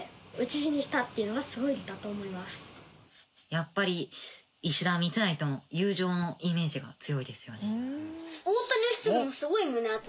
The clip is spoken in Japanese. やっぱり石田三成との友情のイメージが強いですよね。